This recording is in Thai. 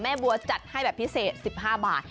บัวจัดให้แบบพิเศษ๑๕บาท